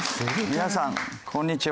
皆さんこんにちは。